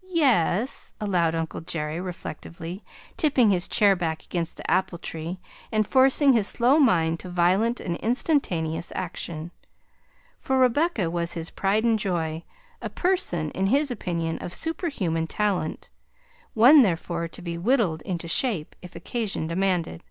"Ye es," allowed Uncle Jerry reflectively, tipping his chair back against the apple tree and forcing his slow mind to violent and instantaneous action, for Rebecca was his pride and joy; a person, in his opinion, of superhuman talent, one therefore to be "whittled into shape" if occasion demanded.